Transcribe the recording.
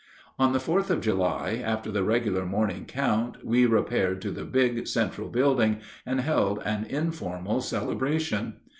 On the Fourth of July, after the regular morning count, we repaired to the big central building and held an informal celebration.